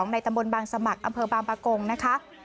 ในตำบลบางสมัครอำเภอบางปะกงนะคะ